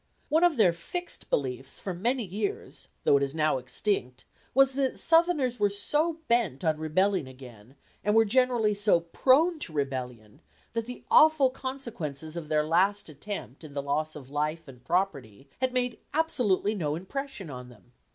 One of their fixed beliefs for many years, though it is now extinct, was that Southerners were so bent on rebelling again, and were generally so prone to rebellion, that the awful consequences of their last attempt in the loss of life and property, had made absolutely no impression on them.